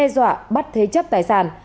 điệp đe dọa bắt thế chấp tài sản